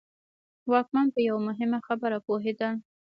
واکمن په یوه مهمه خبره پوهېدل.